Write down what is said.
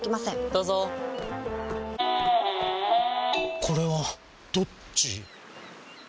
どうぞこれはどっち？